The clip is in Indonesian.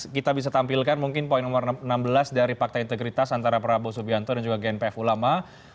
kita bisa tampilkan mungkin poin nomor enam belas dari fakta integritas antara prabowo subianto dan juga gnpf ulama